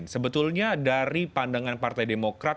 sebetulnya dari pandangan partai demokrat